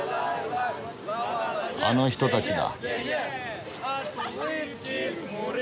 あの人たちだ。